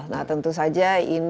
nah tentu saja ini merupakan